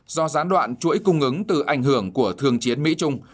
do gián đoạn chuỗi cung ứng từ ảnh hưởng của thường chiến mỹ trung